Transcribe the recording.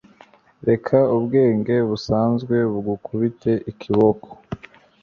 Reka ubwenge busanzwe bugukubite ikiboko